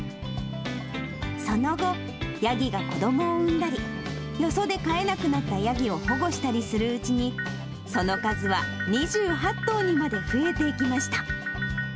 その後、ヤギが子どもを産んだり、よそで飼えなくなったヤギを保護したりするうちに、その数は２８頭にまで増えていきました。